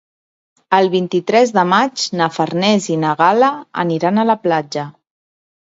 El vint-i-tres de maig na Farners i na Gal·la aniran a la platja.